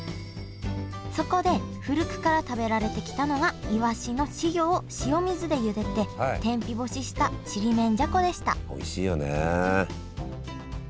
そこで古くから食べられてきたのがイワシの稚魚を塩水で茹でて天日干ししたちりめんじゃこでしたおいしいよね。